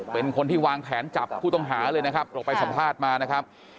เป็นคนที่วางแผนจับผู้ต้องหาเลยนะครับเราไปสัมภาษณ์มานะครับ